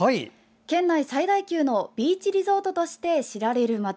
県内最大級のビーチリゾートとして知られる町。